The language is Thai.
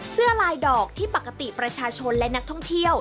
เสื้อลายดอกที่ปกติประชาชนและนักท่องเที่ยว